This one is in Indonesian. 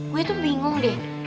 gue tuh bingung deh